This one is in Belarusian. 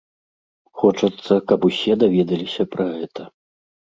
Хочацца, каб усе даведаліся пра гэта.